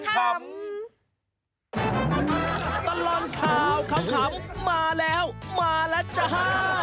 ตลอดข่าวขำมาแล้วมาแล้วจ้า